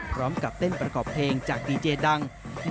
พร้อมกับเต้นประกอบเพลงจากดีเจดัง